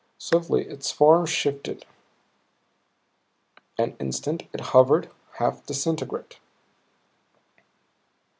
Swiftly its form shifted; an instant it hovered, half disintegrate.